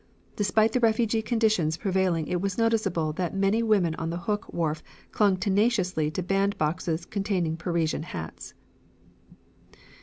Despite the refugee conditions prevailing it was noticeable that many women on the Hook wharf clung tenaciously to bandboxes containing Parisian hats."